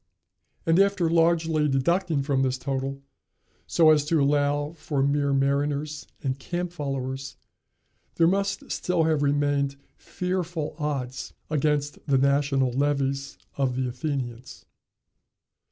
And after largely deducting from this total, so as to allow for mere mariners and camp followers, there must still have remained fearful odds against the national levies of the Athenians.